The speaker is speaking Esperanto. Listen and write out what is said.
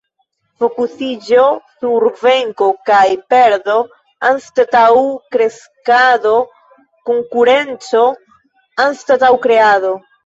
Fokusiĝo sur venko kaj perdo, anstataŭ kreskado; konkurenco anstataŭ kreado.